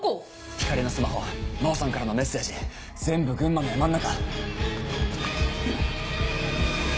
光莉のスマホ真帆さんからのメッセージ全部群馬の山ん中！